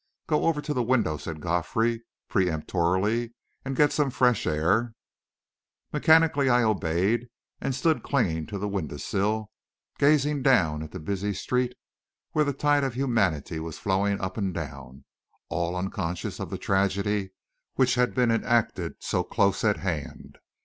"Go over to the window," said Godfrey, peremptorily, "and get some fresh air." Mechanically I obeyed, and stood clinging to the window sill, gazing down at the busy street, where the tide of humanity was flowing up and down, all unconscious of the tragedy which had been enacted so close at hand.